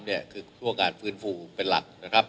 ในช่วงการฟื้นฟูเป็นหลัก